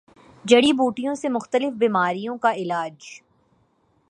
جڑی بوٹیوں سےمختلف بیماریوں کا علاج